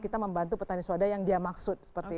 kita membantu petani swadaya yang dia maksud